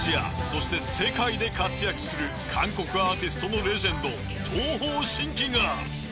そして世界で活躍する韓国アーティストのレジェンド東方神起が。